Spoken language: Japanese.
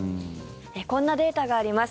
こんなデータがあります。